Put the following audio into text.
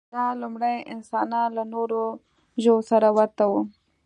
دا لومړني انسانان له نورو ژوو سره ورته وو.